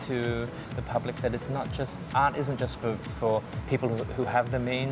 bahwa seni bukan hanya untuk orang yang memiliki kemampuan